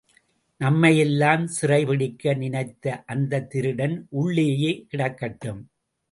நம்மையெல்லாம் சிறைப்பிடிக்க நினைத்த அந்தத் திருடன் உள்ளேயே கிடக்கட்டும்.